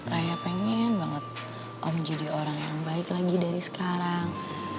raya pengen banget om jadi orang yang baik lagi dari sekarang